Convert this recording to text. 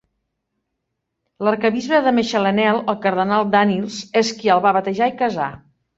L'arquebisbe de Mechelenel, el cardenal Danneels, és qui el va batejar i casar.